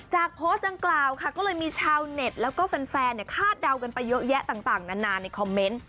โพสต์ดังกล่าวค่ะก็เลยมีชาวเน็ตแล้วก็แฟนคาดเดากันไปเยอะแยะต่างนานในคอมเมนต์